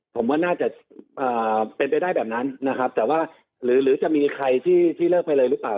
ผมว่าน่าจะเป็นไปได้แบบนั้นนะครับแต่ว่าหรือจะมีใครที่เลิกไปเลยหรือเปล่า